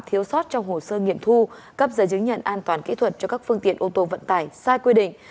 thiếu sót trong hồ sơ nghiệm thu cấp giấy chứng nhận an toàn kỹ thuật cho các phương tiện ô tô vận tải sai quy định